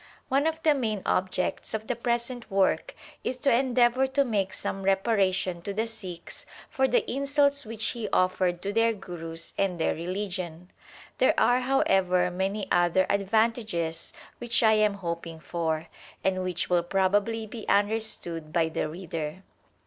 One of the main objects of the present work is to endeavour to make some reparation to the Sikhs for the insults which he offered to their Gurus and their religion. There are, however, many other advantages which I am hoping for, and which will probably be understood by the reader.